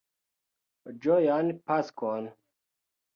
Ĝojan Paskon!